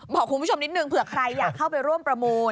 บอกคุณผู้ชมนิดนึงเผื่อใครอยากเข้าไปร่วมประมูล